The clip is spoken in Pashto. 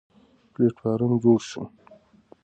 پلېټفارم جوړ شو.